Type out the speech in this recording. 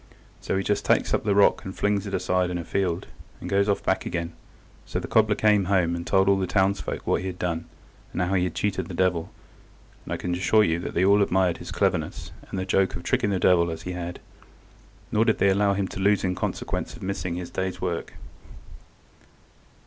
So he just takes up the rock and flings it aside in a field, and goes off back again. So the cobbler came home, and told all the townsfolk what he had done, and how he had cheated the devil, and I can assure you that they all admired his cleverness, and the joke of tricking the devil as he had, nor did they allow him to lose in consequence of missing his day's work.